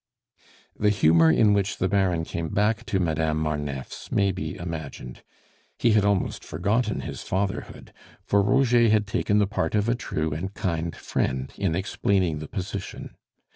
The humor in which the Baron came back to Madame Marneffe's may be imagined; he had almost forgotten his fatherhood, for Roger had taken the part of a true and kind friend in explaining the position.